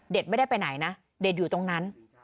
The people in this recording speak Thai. ไม่ได้ไปไหนนะเด็กอยู่ตรงนั้น